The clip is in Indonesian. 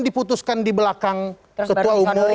diputuskan di belakang ketua umum